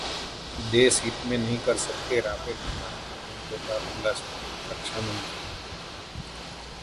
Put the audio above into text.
देशहित में नहीं कर सकते राफेल विमान की कीमतों का खुलासाः रक्षा मंत्री